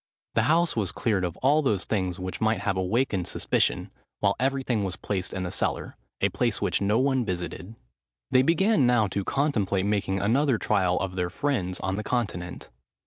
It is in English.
The house was cleared of all those things which might have awakened suspicion, while everything was placed in the cellar,—a place which no one visited. They began now to contemplate making another trial of their friends on the Continent.